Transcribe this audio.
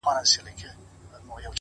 ددې ښـــــار څــــو ليونـيـو _